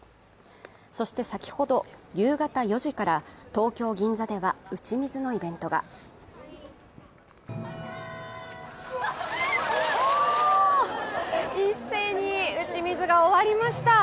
そして先ほど夕方４時から東京・銀座では打ち水のイベントが一斉に打ち水が終わりました。